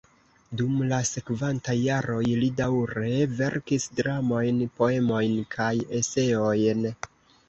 Dum la sekvantaj jaroj li daŭre verkis dramojn, poemojn kaj eseojn.